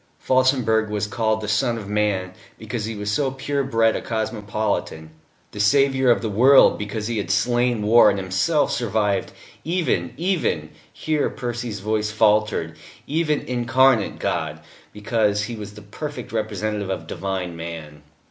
Felsenburgh was called the Son of Man, because he was so pure bred a cosmopolitan; the Saviour of the World, because he had slain war and himself survived even even here Percy's voice faltered even Incarnate God, because he was the perfect representative of divine man.